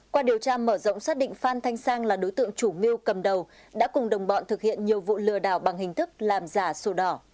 qua điều tra mở rộng xác định phan thanh sang là đối tượng chủ mưu cầm đầu đã cùng đồng bọn thực hiện nhiều vụ lừa đảo bằng hình thức làm giả sổ đỏ